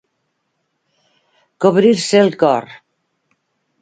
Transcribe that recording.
Cobrir-se el cor.